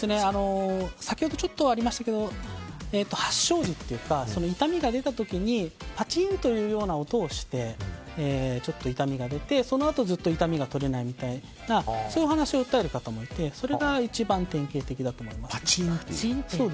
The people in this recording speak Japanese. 先ほどちょっとありましたけど発症日というか痛みが出た時にパチンというような音がしてちょっと痛みが出てそのあとずっと痛みが取れないとそういうお話を訴える方もいてパチンという。